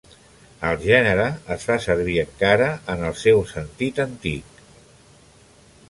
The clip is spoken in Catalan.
El gènere es fa servir encara en el seu sentit antic.